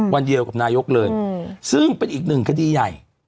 วันเดียวกับนายกเลยซึ่งเป็นอีกหนึ่งคดีใหญ่